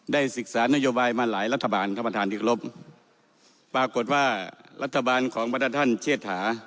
ศึกษานโยบายมาหลายรัฐบาลท่านประธานที่กรบปรากฏว่ารัฐบาลของบรรดาท่านเชษฐา